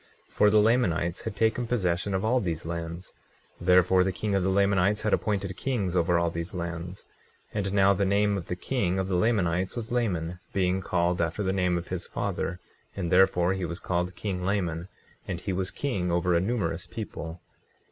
24:2 For the Lamanites had taken possession of all these lands; therefore, the king of the Lamanites had appointed kings over all these lands. 24:3 And now the name of the king of the Lamanites was Laman, being called after the name of his father; and therefore he was called king Laman. And he was king over a numerous people.